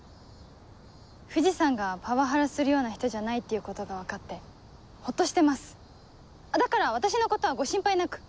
藤さんがパワハラするような人じゃないっていうことが分かってホッとしてますだから私のことはご心配なく。